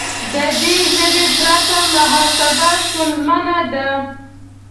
د دې ژبې پرته محاسبه ستونزمنه ده.